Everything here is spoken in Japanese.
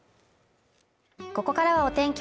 ここからはお天気